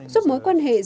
giúp mối quan hệ giữa họ